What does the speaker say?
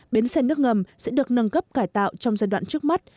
bến xe nước ngầm sẽ được nâng cấp cải tạo trong giai đoạn trước mắt